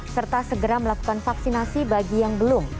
serta segera melakukan vaksinasi bagi yang belum